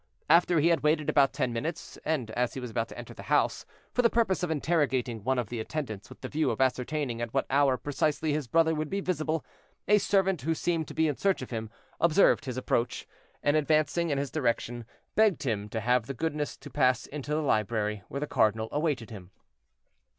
After he had waited about ten minutes, and as he was about to enter the house, for the purpose of interrogating one of the attendants with the view of ascertaining at what hour precisely his brother would be visible, a servant, who seemed to be in search of him, observed his approach, and advancing in his direction, begged him to have the goodness to pass into the library, where the cardinal awaited him.